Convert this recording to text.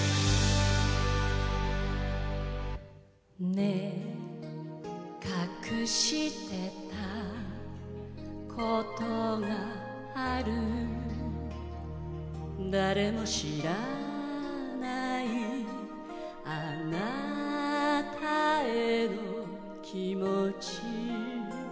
ねぇ隠してたことがある誰も知らないあなたへの気持ち